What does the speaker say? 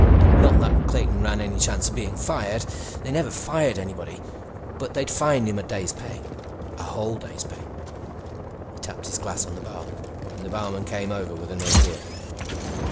Not that Clayton ran any chance of being fired; they never fired anybody. But they'd fined him a day's pay. A whole day's pay. He tapped his glass on the bar, and the barman came over with another beer.